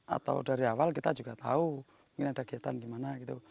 atau dari awal kita juga tahu mungkin ada kegiatan di mana gitu